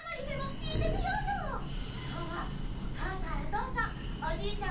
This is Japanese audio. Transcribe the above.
きょうはおかあさんおとうさんおじいちゃん